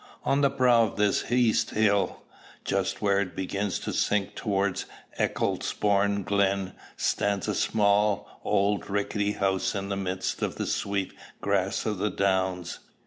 On the brow of this East Hill, just where it begins to sink towards Ecclesbourne Glen, stands a small, old, rickety house in the midst of the sweet grass of the downs.